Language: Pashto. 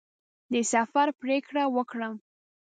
د سفر پرېکړه وکړم.